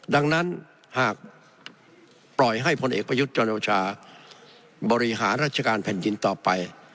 ดังนั้นหากปล่อยให้พลเอกประยุทธ์จันโอชาบริหารราชการแผ่นดินต่อไป